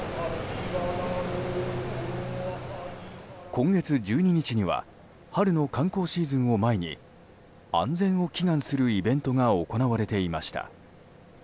今月１２日には春の観光シーズンを前に安全を祈願するイベントが行われていました。